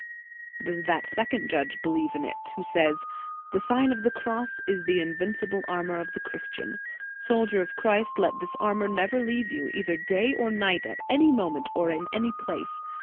"* Does that second judge believe in it, who says : "The Sign of the Cross is the invincible armor of the Christian. Soldier of Christ, let this armor never leave you, either day or night, at any moment, or in any place.